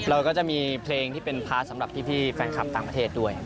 เราก็จะมีเพลงที่เป็นพาร์ทสำหรับพี่แฟนคลับต่างประเทศด้วย